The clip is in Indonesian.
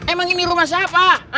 emang ini rumah siapa